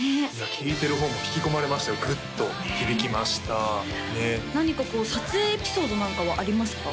聴いてる方も引き込まれましたよグッと響きました何かこう撮影エピソードなんかはありますか？